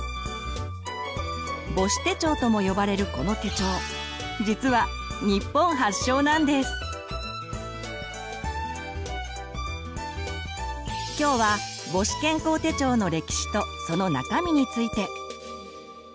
「母子手帳」とも呼ばれるこの手帳実は今日は母子健康手帳の歴史とその中身について。